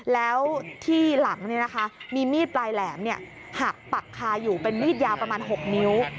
แล้วที่หลังมีมีดปลายแหลมหักปักคาอยู่เป็นมีดยาวประมาณ๖นิ้ว